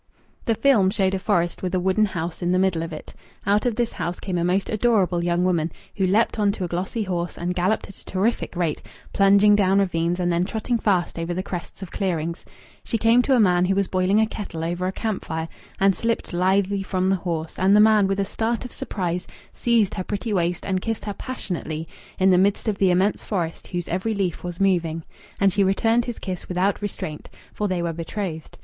The film showed a forest with a wooden house in the middle of it. Out of this house came a most adorable young woman, who leaped on to a glossy horse and galloped at a terrific rate, plunging down ravines, and then trotting fast over the crests of clearings. She came to a man who was boiling a kettle over a camp fire, and slipped lithely from the horse, and the man, with a start of surprise, seized her pretty waist and kissed her passionately, in the midst of the immense forest whose every leaf was moving. And she returned his kiss without restraint. For they were betrothed.